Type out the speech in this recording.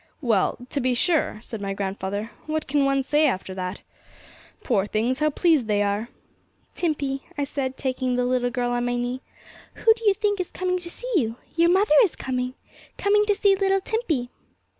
'Well, to be sure,' said my grandfather, 'what can one say after that? Poor things, how pleased they are! 'Timpey,' I said, taking the little girl on my knee, 'who do you think is coming to see you? Your mother is coming coming to see little Timpey!'